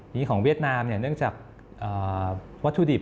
ของเวียดนามเนื่องจากวัตถุดิบ